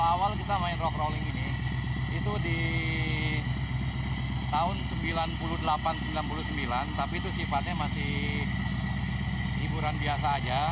awal kita main rock rolling ini itu di tahun seribu sembilan ratus sembilan puluh delapan sembilan puluh sembilan tapi itu sifatnya masih hiburan biasa aja